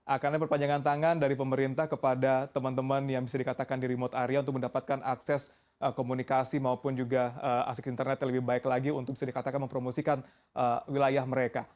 akan ada perpanjangan tangan dari pemerintah kepada teman teman yang bisa dikatakan di remote area untuk mendapatkan akses komunikasi maupun juga aset internet yang lebih baik lagi untuk bisa dikatakan mempromosikan wilayah mereka